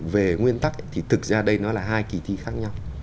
về nguyên tắc thì thực ra đây nó là hai kỳ thi khác nhau